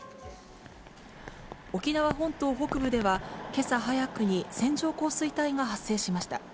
沖縄本島北部では、けさ早くに線状降水帯が発生しました。